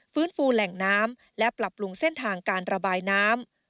ฟูแหล่งน้ำและปรับปรุงเส้นทางการระบายน้ำ